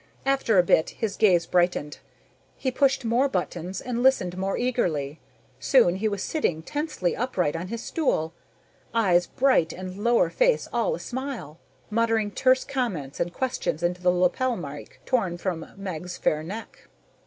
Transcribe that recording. After a bit, his gaze brightened. He pushed more buttons and listened more eagerly. Soon he was sitting tensely upright on his stool, eyes bright and lower face all a smile, muttering terse comments and questions into the lapel mike torn from Meg's fair neck.